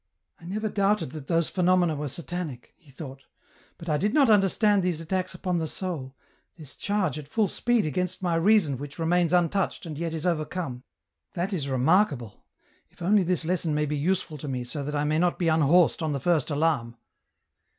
" I never doubted that those phenomena were satanic," he thought, '* but I did not understand these attacks upon the soul, this charge at full speed against my reason which remains untouched, and yet is overcome ; that is remark 208 EN ROUTE. able : if only this lesson may be useful to me so tnat 1 may not be unhorsed on the first alarm